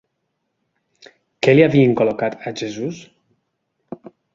Què li havien col·locat a Jesús?